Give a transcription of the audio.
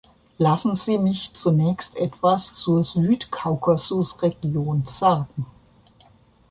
Lassen Sie mich zunächst etwas zur Südkaukasusregion sagen.